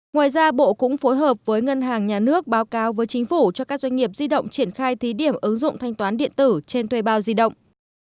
ngoài ra bộ cũng phối hợp với ngân hàng nhà nước báo cáo với chính phủ cho các doanh nghiệp di động triển khai thí điểm ứng dụng thanh toán điện tử trên thuê bao di động